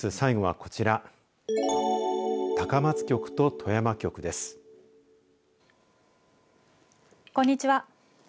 こんにちは。